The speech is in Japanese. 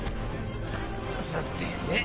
さてね。